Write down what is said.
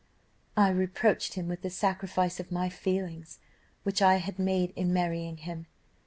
"I reproached him with the sacrifice of my feelings, which I had made in marrying him!